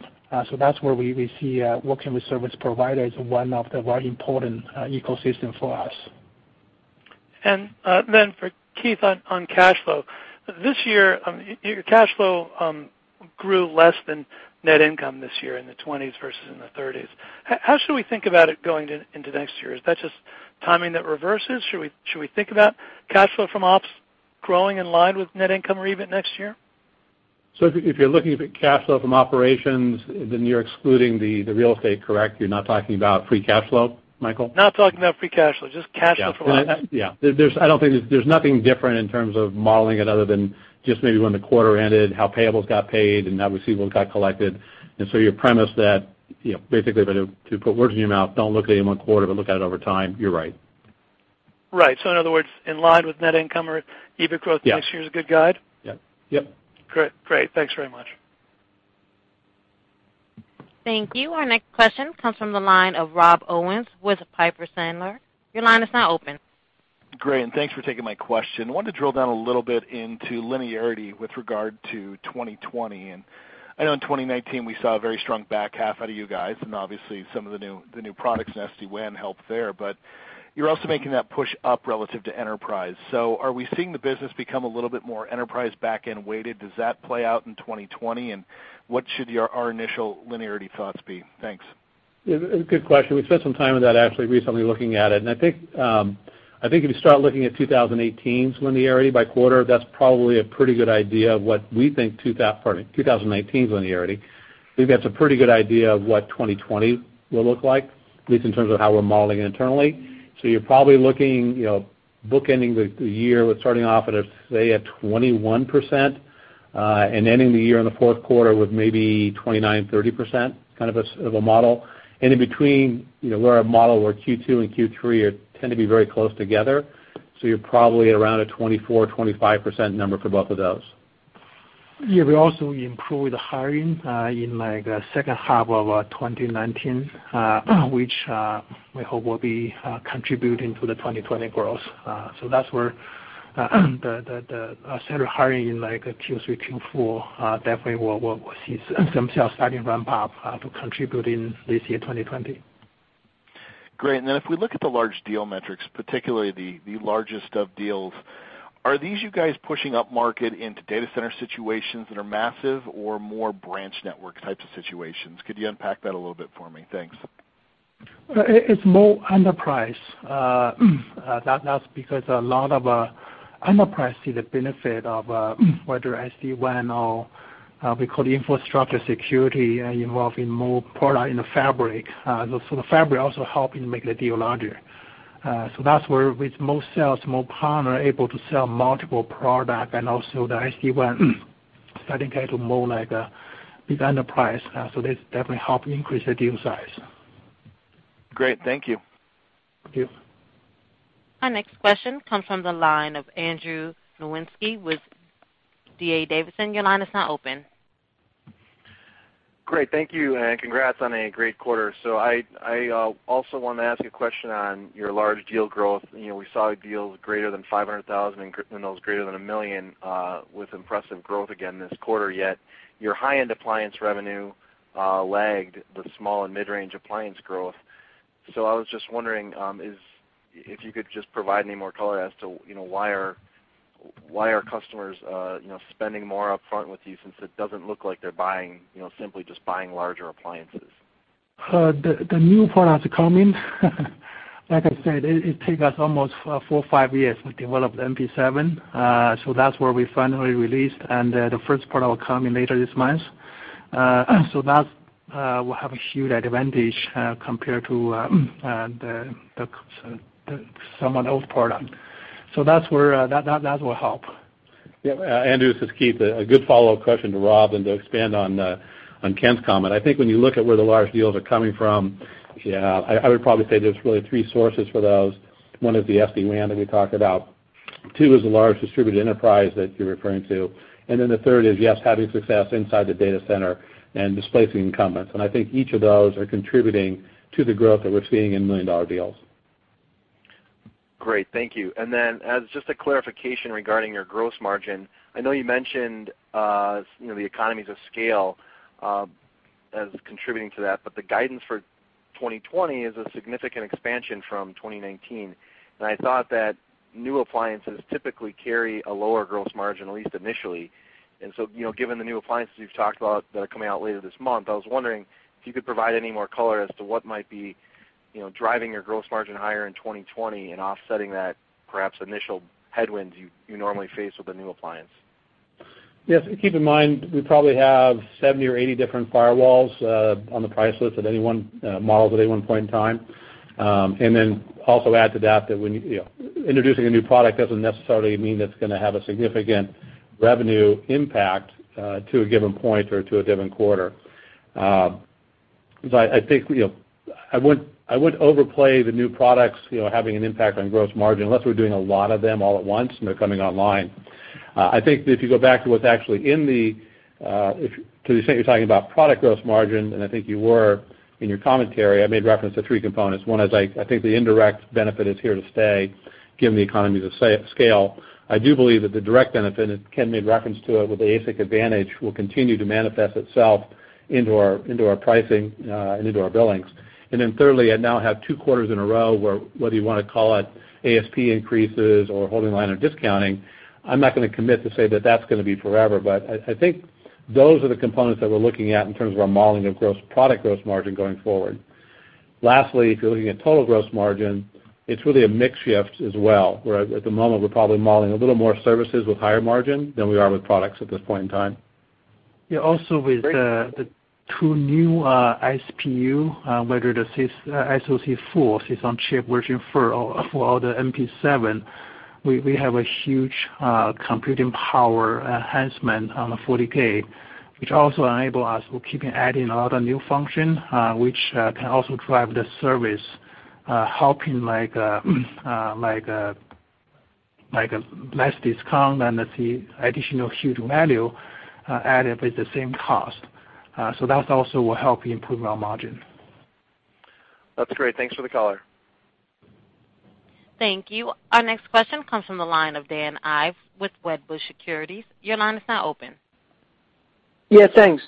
That's where we see working with service provider is one of the very important ecosystem for us. For Keith on cash flow. This year, your cash flow grew less than net income this year in the 20s versus in the 30s. How should we think about it going into next year? Is that just timing that reverses? Should we think about cash flow from ops growing in line with net income or EBIT next year? If you're looking at the cash flow from operations, then you're excluding the real estate, correct? You're not talking about free cash flow, Michael? Not talking about free cash flow, just cash flow from ops. There's nothing different in terms of modeling it other than just maybe when the quarter ended, how payables got paid, and how receivable got collected. Your premise that, basically to put words in your mouth, don't look at any one quarter, but look at it over time, you're right. Right. In other words, in line with net income or EBIT growth next year is a good guide? Yep. Yep. Great. Thanks very much. Thank you. Our next question comes from the line of Rob Owens with Piper Sandler. Your line is now open. Great, thanks for taking my question. I wanted to drill down a little bit into linearity with regard to 2020. I know in 2019, we saw a very strong back half out of you guys, and obviously some of the new products and SD-WAN helped there. You're also making that push up relative to enterprise. Are we seeing the business become a little bit more enterprise backend weighted? Does that play out in 2020? What should our initial linearity thoughts be? Thanks. Good question. We spent some time with that actually recently looking at it, I think if you start looking at 2018's linearity by quarter, that's probably a pretty good idea of what we think 2019's linearity. We think that's a pretty good idea of what 2020 will look like, at least in terms of how we're modeling it internally. You're probably looking book ending the year with starting off at, say, a 21%, and ending the year in the fourth quarter with maybe 29, 30% kind of a model. In between, we're a model where Q2 and Q3 tend to be very close together. You're probably at around a 24, 25% number for both of those. Yeah, we also improved the hiring in the second half of 2019, which we hope will be contributing to the 2020 growth. That's where the set of hiring in Q3, Q4 definitely we'll see some sales starting ramp up to contribute in this year 2020. Great. Then if we look at the large deal metrics, particularly the largest of deals, are these you guys pushing upmarket into data center situations that are massive or more branch network types of situations? Could you unpack that a little bit for me? Thanks. It's more enterprise. That's because a lot of enterprise see the benefit of whether SD-WAN or we call the infrastructure security involving more product in the fabric. The fabric also helping make the deal larger. That's where with more sales, more partner able to sell multiple product and also the SD-WAN starting to get more like a big enterprise. This definitely help increase the deal size. Great. Thank you. Thank you. Our next question comes from the line of Andrew Nowinski with D.A. Davidson. Your line is now open. Great. Thank you. Congrats on a great quarter. I also want to ask you a question on your large deal growth. We saw deals greater than 500,000 and those greater than $1 million with impressive growth again this quarter, yet your high-end appliance revenue lagged the small and mid-range appliance growth. I was just wondering, if you could just provide any more color as to why are customers spending more upfront with you since it doesn't look like they're simply just buying larger appliances? The new products are coming. Like I said, it take us almost four or five years to develop NP7. That's where we finally released, and the first product will come in later this month. That will have a huge advantage compared to some of the old product. That will help. Andrew, this is Keith. A good follow-up question to Rob and to expand on Ken's comment. I think when you look at where the large deals are coming from, I would probably say there's really three sources for those. One is the SD-WAN that we talked about. Two is the large distributed enterprise that you're referring to. The third is, yes, having success inside the data center and displacing incumbents. I think each of those are contributing to the growth that we're seeing in million-dollar deals. Great. Thank you. As just a clarification regarding your gross margin, I know you mentioned the economies of scale as contributing to that, but the guidance for 2020 is a significant expansion from 2019. I thought that new appliances typically carry a lower gross margin, at least initially. Given the new appliances you've talked about that are coming out later this month, I was wondering if you could provide any more color as to what might be driving your gross margin higher in 2020 and offsetting that perhaps initial headwinds you normally face with a new appliance. Yes. Keep in mind, we probably have 70 or 80 different firewalls on the price list of any one model at any one point in time. Also add to that, introducing a new product doesn't necessarily mean it's going to have a significant revenue impact to a given point or to a given quarter. I think I would overplay the new products having an impact on gross margin unless we're doing a lot of them all at once and they're coming online. I think that if you go back to what's actually in the, to the extent you're talking about product gross margin, and I think you were in your commentary, I made reference to three components. One is I think the indirect benefit is here to stay given the economies of scale. I do believe that the direct benefit, Ken made reference to it with the ASIC advantage, will continue to manifest itself into our pricing and into our billings. Thirdly, I now have two quarters in a row where, whether you want to call it ASP increases or holding line of discounting, I'm not going to commit to say that that's going to be forever. I think those are the components that we're looking at in terms of our modeling of product gross margin going forward. Lastly, if you're looking at total gross margin, it's really a mix shift as well, where at the moment, we're probably modeling a little more services with higher margin than we are with products at this point in time. Yeah, also with the two new SPU, whether the SoC4, system-on-chip version for all the NP7, we have a huge computing power enhancement on the FortiGate, which also enable us, we're keeping adding a lot of new function, which can also drive the service, helping a less discount and the additional huge value added with the same cost. That also will help improve our margin. That's great. Thanks for the color. Thank you. Our next question comes from the line of Dan Ives with Wedbush Securities. Your line is now open. Yeah, thanks.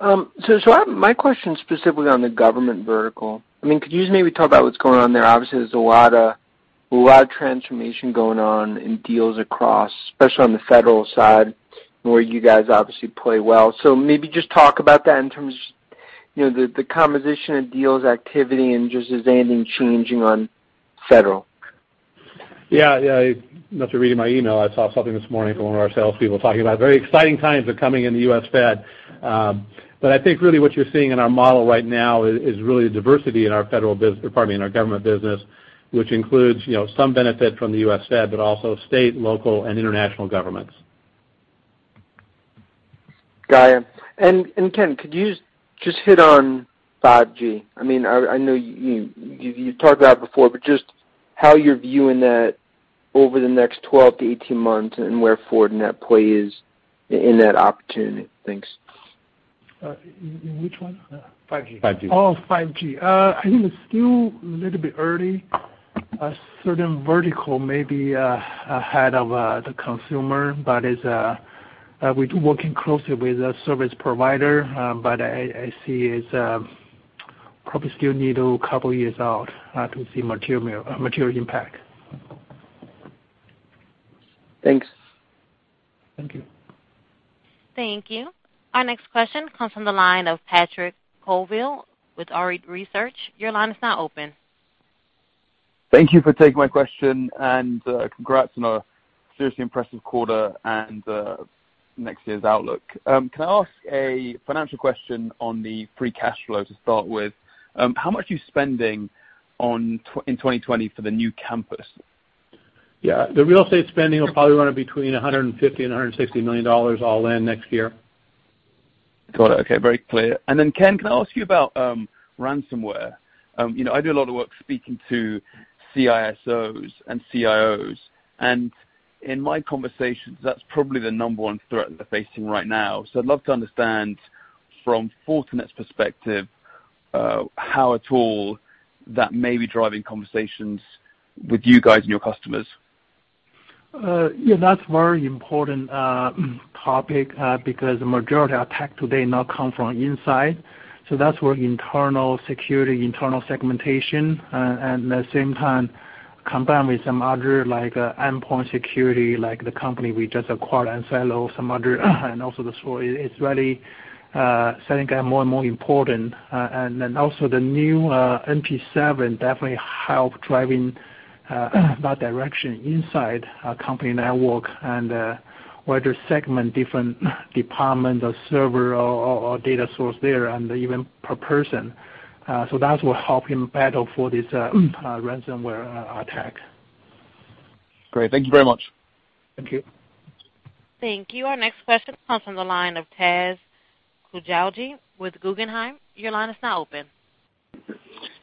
My question is specifically on the government vertical. Could you just maybe talk about what's going on there? Obviously, there's a lot of transformation going on in deals across, especially on the federal side, where you guys obviously play well. Maybe just talk about that in terms the composition of deals activity and just is anything changing on federal? Yeah. You must be reading my email. I saw something this morning from one of our salespeople talking about very exciting times are coming in the U.S. Fed. I think really what you're seeing in our model right now is really a diversity in our government business, which includes some benefit from the U.S. Fed, but also state, local, and international governments. Got it. Ken, could you just hit on 5G? I know you've talked about it before, but just how you're viewing that over the next 12 to 18 months and where Fortinet plays in that opportunity. Thanks. In which one? 5G. 5G. Oh, 5G. I think it's still a little bit early. A certain vertical may be ahead of the consumer, but we're working closely with the service provider, but I see it probably still need a couple of years out to see material impact. Thanks. Thank you. Thank you. Our next question comes from the line of Patrick Colville with Arete Research. Your line is now open. Thank you for taking my question. Congrats on a seriously impressive quarter and next year's outlook. Can I ask a financial question on the free cash flow to start with? How much are you spending in 2020 for the new campus? Yeah. The real estate spending will probably run between $150 and $160 million all in next year. Got it. Okay. Very clear. Ken, can I ask you about ransomware? I do a lot of work speaking to CISOs and CIOs, and in my conversations, that's probably the number one threat they're facing right now. I'd love to understand from Fortinet's perspective, how at all that may be driving conversations with you guys and your customers. That's very important topic, because the majority of attack today now come from inside. That's where internal security, internal segmentation, and at the same time, combined with some other endpoint security, like the company we just acquired, enSilo, some other, and also the story, it's really getting more and more important. Also the new NP7 definitely help driving that direction inside a company network and whether segment different department or server or data source there and even per person. That will help in battle for this ransomware attack. Great. Thank you very much. Thank you. Thank you. Our next question comes from the line of Imtiaz Koujalgi with Guggenheim. Your line is now open.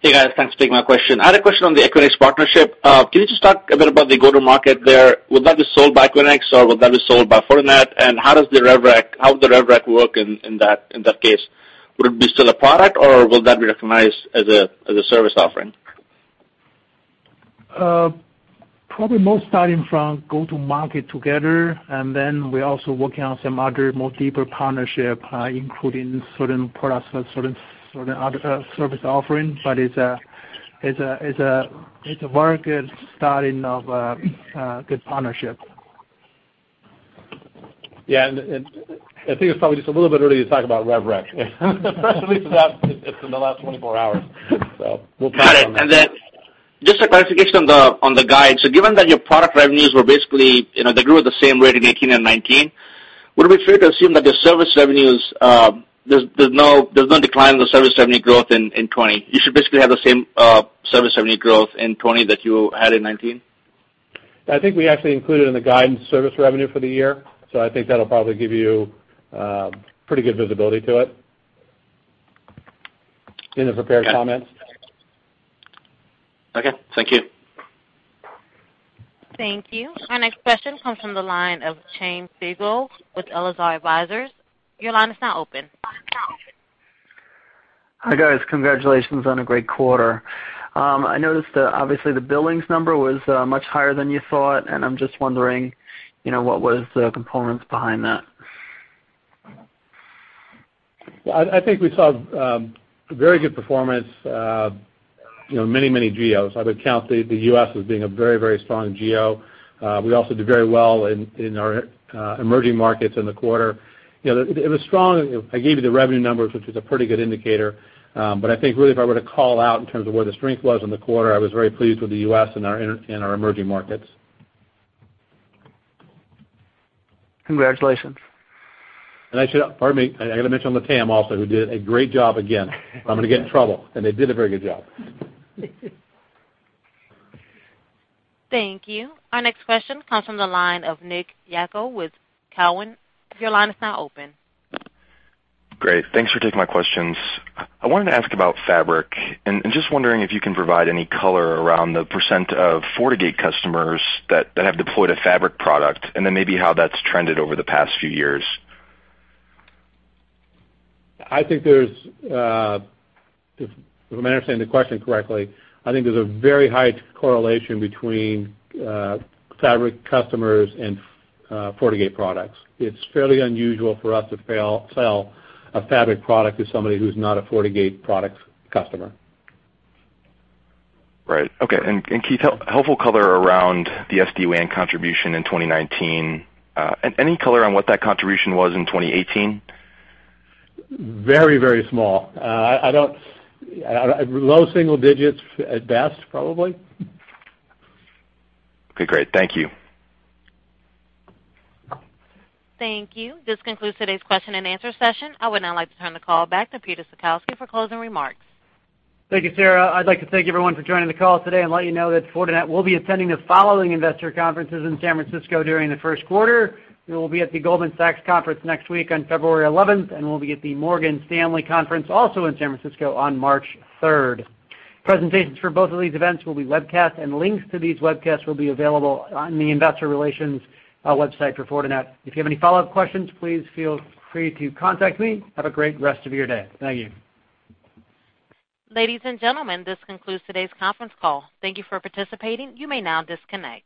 Hey, guys. Thanks for taking my question. I had a question on the Equinix partnership. Can you just talk a bit about the go-to-market there? Will that be sold by Equinix or will that be sold by Fortinet? How does the rev rec work in that case? Would it be still a product or will that be recognized as a service offering? Probably most starting from go to market together, then we're also working on some other more deeper partnership, including certain products or certain service offerings. It's a very good starting of a good partnership. Yeah. I think it's probably just a little bit early to talk about rev rec, especially since it's in the last 24 hours. We'll touch on that. Got it. Just a clarification on the guide. Given that your product revenues grew at the same rate in 2018 and 2019, would it be fair to assume that the service revenues, there's no decline in the service revenue growth in 2020? You should basically have the same service revenue growth in 2020 that you had in 2019? I think we actually included in the guidance service revenue for the year, so I think that'll probably give you pretty good visibility to it in the prepared comments. Okay, thank you. Thank you. Our next question comes from the line of Chaim Siegel with Elazar Advisors. Your line is now open. Hi, guys. Congratulations on a great quarter. I noticed that obviously the billings number was much higher than you thought. I'm just wondering what was the components behind that? Well, I think we saw very good performance, many geos. I would count the U.S. as being a very strong geo. We also did very well in our emerging markets in the quarter. It was strong. I gave you the revenue numbers, which is a pretty good indicator. I think really if I were to call out in terms of where the strength was in the quarter, I was very pleased with the U.S. and our emerging markets. Congratulations. I should, pardon me, I got to mention Latam also, who did a great job again. I'm going to get in trouble. They did a very good job. Thank you. Our next question comes from the line of Nick Yako with Cowen. Your line is now open. Great. Thanks for taking my questions. I wanted to ask about Fabric, and just wondering if you can provide any color around the % of FortiGate customers that have deployed a Fabric product, and then maybe how that's trended over the past few years. If I'm understanding the question correctly, I think there's a very high correlation between Fabric customers and FortiGate products. It's fairly unusual for us to sell a Fabric product to somebody who's not a FortiGate products customer. Right. Okay. Can you helpful color around the SD-WAN contribution in 2019, and any color on what that contribution was in 2018? Very small. Low single digits at best, probably. Okay, great. Thank you. Thank you. This concludes today's question and answer session. I would now like to turn the call back to Peter Salkowski for closing remarks. Thank you, Sarah. I'd like to thank everyone for joining the call today and let you know that Fortinet will be attending the following investor conferences in San Francisco during the first quarter. We will be at the Goldman Sachs conference next week on February 11th, and we'll be at the Morgan Stanley conference, also in San Francisco, on March 3rd. Presentations for both of these events will be webcast, and links to these webcasts will be available on the investor relations website for Fortinet. If you have any follow-up questions, please feel free to contact me. Have a great rest of your day. Thank you. Ladies and gentlemen, this concludes today's conference call. Thank you for participating. You may now disconnect.